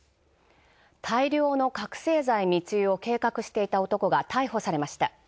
大量の覚せい剤密輸を計画していた男が逮捕されました。